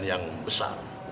dan yang besar